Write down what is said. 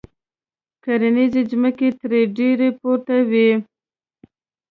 کرنیزې ځمکې ترې ډېرې پورته وې.